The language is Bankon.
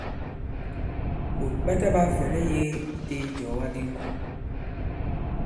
Ɓòt ɓa taɓāa fɛ̀lɛ yēge i tē ìjɔ̀ga di ŋkò.